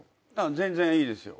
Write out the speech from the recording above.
全然いいですよ。